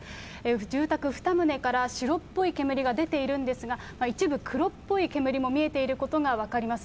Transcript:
住宅２棟から白っぽい煙が出ているんですが、一部、黒っぽい煙も見えていることが分かります。